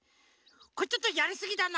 これちょっとやりすぎだな。